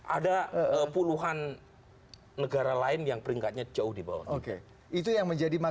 ada puluhan negara lain yang peringkatnya jauh dibawa oke itu yang menjadi